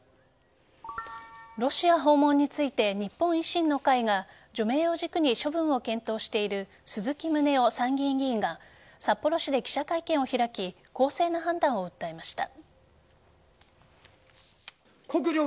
ロシア訪問について日本維新の会が除名を軸に処分を検討している鈴木宗男参議院議員が札幌市で記者会見を開き公正な判断を訴えました。